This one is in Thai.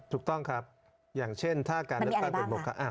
ถูกต้องครับอย่างเช่นถ้าการเลือกตั้งเปิดหมวกครับ